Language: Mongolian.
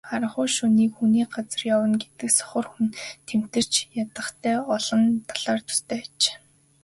Харанхуй шөнө хүний газар явна гэдэг сохор хүн тэмтэрч ядахтай олон талаар төстэй аж.